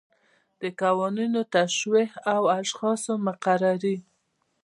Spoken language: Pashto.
د قوانینو توشیح او د اشخاصو مقرري.